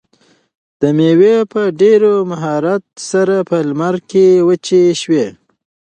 دا مېوې په ډېر مهارت سره په لمر کې وچې شوي.